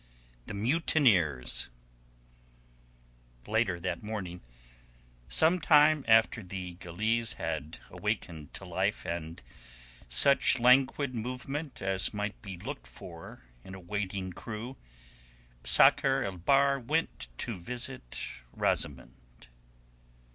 THE MUTINEERS Later that morning, some time after the galeasse had awakened to life and such languid movement as might be looked for in a waiting crew, Sakr el Bahr went to visit Rosamund.